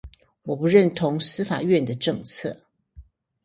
我不認同司法院的政策